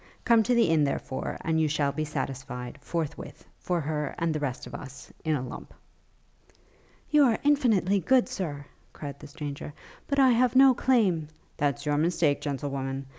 Come to the inn, therefore, and you shall be satisfied, forthwith, for her and the rest of us, in a lump.' 'You are infinitely good, Sir,' cried the stranger, 'but I have no claim .' 'That's your mistake, gentlewoman.